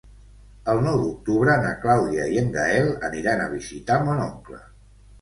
El nou d'octubre na Clàudia i en Gaël aniran a visitar mon oncle.